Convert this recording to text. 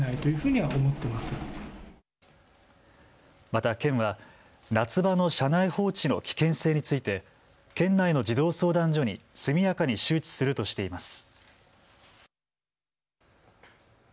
また、県は夏場の車内放置の危険性について県内の児童相談所に速やかに周知するとしています。